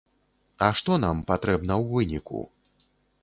А што нам патрэбна ў выніку?